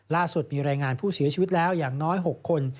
ล่าสุดมีรายงานผู้เสียชีวิตแล้วอย่างน้อย๖คน